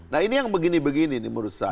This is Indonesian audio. nah ini yang begini begini nih menurut saya